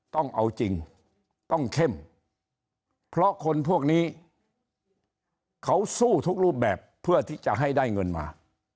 ต้องเอาจริงต้องเข้มเพราะคนพวกนี้เขาสู้ทุกรูปแบบเพื่อที่จะให้ได้เงินมา